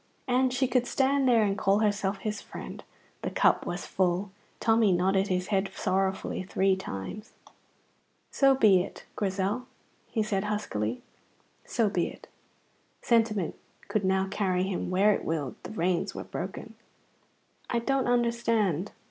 And she could stand there and call herself his friend. The cup was full. Tommy nodded his head sorrowfully three times. "So be it, Grizel," he said huskily; "so be it!" Sentiment could now carry him where it willed. The reins were broken. "I don't understand."